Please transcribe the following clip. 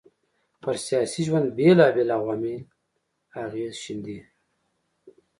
پر سياسي ژوند بېلابېل عوامل اغېز ښېندي